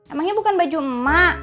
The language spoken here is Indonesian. emangnya bukan baju mak